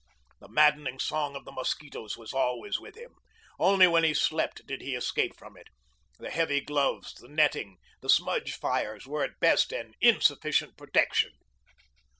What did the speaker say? The maddening song of the mosquitoes was always with him. Only when he slept did he escape from it. The heavy gloves, the netting, the smudge fires were at best an insufficient protection.